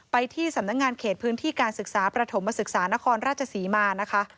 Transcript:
ไปที่สำนักงานเขตพื้นที่การศึกษาประถมศึกษานครราชศรีมานะคะ